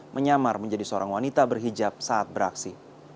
menyamar menjadi seorang wanita berhijab saat beraksi